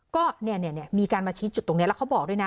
ก็เนี่ยมีการมาชี้จุดตรงนี้แล้วเขาบอกด้วยนะ